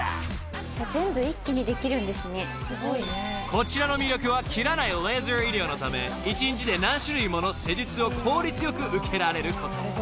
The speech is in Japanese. ［こちらの魅力は切らないレーザー医療のため１日で何種類もの施術を効率良く受けられること］